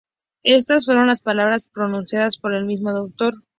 Éstas fueron las palabras pronunciadas por el mismo doctor.